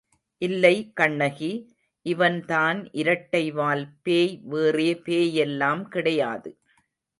இல்லை கண்ணகி, இவன் தான் இரட்டைவால் பேய் வேறே பேயெல்லாம் கிடையாது.